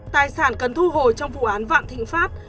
tài sản cần thu hồi trong vụ án vạn thịnh pháp